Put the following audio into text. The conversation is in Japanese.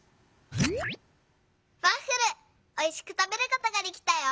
「ワッフルおいしくたべることができたよ！